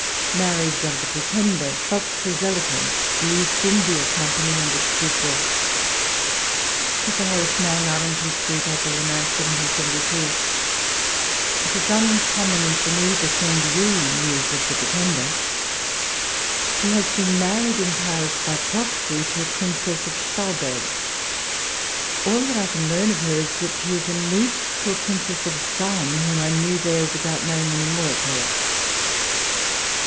MABIilAGE OF THE PJiETENDER VOTS ELO QVEXCE TUE EAST INDIA COMPAXY AND ITS SEQUEL. To Siu HoB.\cE Mann. Arlington Street, April 9, 1772. It is uncommon for me to send you news of the Pretender. He has been married in Paris by proxy, to a Princess of Stolberg. All that I can learn of her is, that she is a niece to a Princess of Salm, whom I knew there, without knowing any more of her.